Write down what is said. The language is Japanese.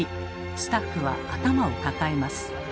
スタッフは頭を抱えます。